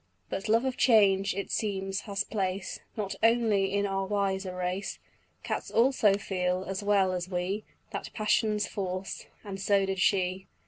But love of change, it seems, has place Not only in our wiser race; Cats also feel, as well as we, That passion's force, and so did she.